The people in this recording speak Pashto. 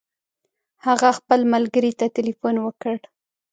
هغه خپل ملګري ته تلیفون وکړ.